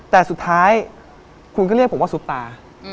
แต่สุดท้ายคุณก็เรียกผมว่าซุปตา